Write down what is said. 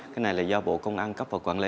cái này là do bộ công an cấp và quản lý